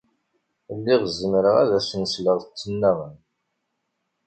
Lliɣ zemreɣ ad asen-sleɣ ttnaɣen.